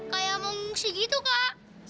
kayak mengungsi gitu kak